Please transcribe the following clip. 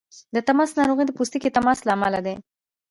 د تماس ناروغۍ د پوست تماس له امله دي.